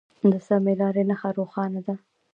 د سمې لارې نښه روښانه ده.